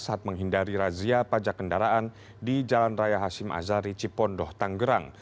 saat menghindari razia pajak kendaraan di jalan raya hashim azari cipondoh tanggerang